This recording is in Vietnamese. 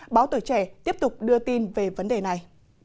báo tuổi trẻ tiếp tục đưa tin về vấn đề này